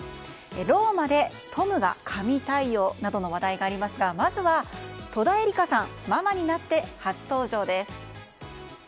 ローマでトムが神対応などの話題がありますがまずは、戸田恵梨香さんママになって初登場です。